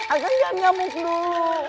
agaknya ngamuk dulu